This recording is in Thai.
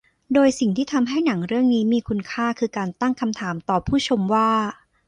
โดยสิ่งที่ทำให้หนังเรื่องนี้มีคุณค่าคือการตั้งคำถามต่อผู้ชมว่า